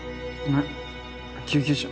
何救急車？